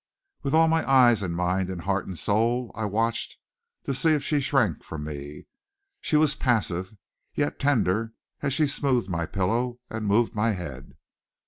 With all my eyes and mind and heart and soul I watched to see if she shrank from me. She was passive, yet tender as she smoothed my pillow and moved my head.